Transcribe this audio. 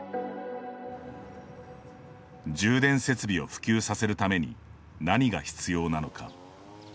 充電設備を普及させるために何が必要なのか。